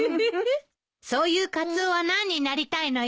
そういうカツオは何になりたいのよ？